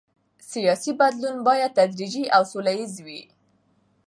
سیاسي بدلون باید تدریجي او سوله ییز وي